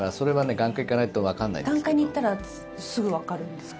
眼科に行ったらすぐわかるんですか？